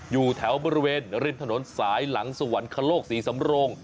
อยู่แถวบริเวณฤนทนสายหลังสวรรคโลก๔สำรง